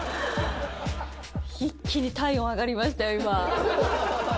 一気に体温上がりましたよ、今。